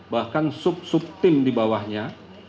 bahkan sub sub tim di bawahnya